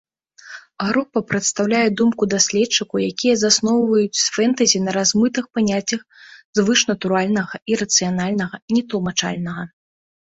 Група прадстаўляе думку даследчыкаў, якія засноўваюць фэнтэзі на размытых паняццях звышнатуральнага, ірацыянальнага, нетлумачальнага.